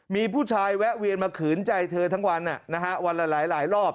มีผู้ชายแวะเวียนมาขืนใจเธอทั้งวันวันละหลายรอบ